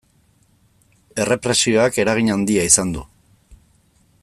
Errepresioak eragin handia izan du.